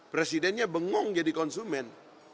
presidennya bengong jadi konsumen